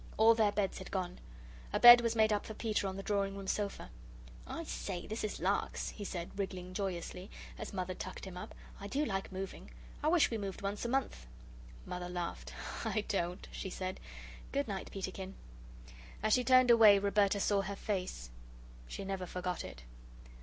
All their beds had gone. A bed was made up for Peter on the drawing room sofa. "I say, this is larks," he said, wriggling joyously, as Mother tucked him up. "I do like moving! I wish we moved once a month." Mother laughed. "I don't!" she said. "Good night, Peterkin." As she turned away Roberta saw her face. She never forgot it.